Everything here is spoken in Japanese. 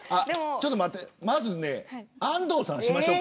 まず安藤さんにしましょうか。